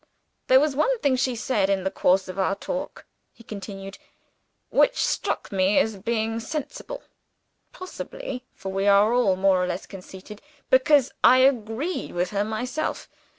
"There was one thing she said, in the course of our talk," he continued, "which struck me as being sensible: possibly (for we are all more or less conceited), because I agreed with her myself.